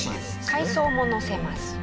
海藻ものせます。